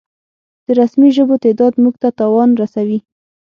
د رسمي ژبو تعداد مونږ ته تاوان رسوي